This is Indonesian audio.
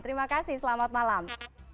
terima kasih selamat malam